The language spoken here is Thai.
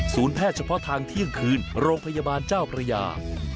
แพทย์เฉพาะทางเที่ยงคืนโรงพยาบาลเจ้าพระยา